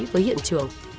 với hiện trường